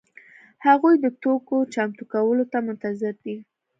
هغوی د توکو چمتو کولو ته منتظر دي.